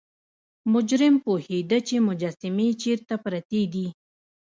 مجرم پوهیده چې مجسمې چیرته پرتې دي.